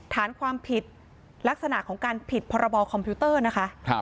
ฐานความผิดลักษณะของการผิดพรบคอมพิวเตอร์นะคะ